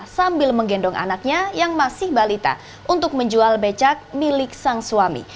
sambil menggendong anaknya yang masih balita untuk menjual becak milik sang suami